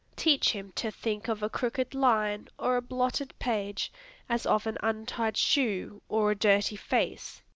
Teach him to think of a crooked line or a blotted page as of an untied shoe, or a dirty face.